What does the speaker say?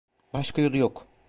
Başka yolu yok.